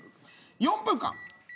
４分間。